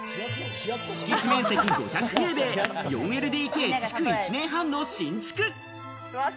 敷地面積５００平米、４ＬＤＫ、築１年半の新築。